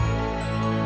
aku sudah lebih